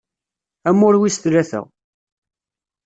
Amur wis tlata.